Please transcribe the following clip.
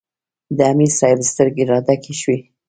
د امیر صېب سترګې راډکې شوې ـ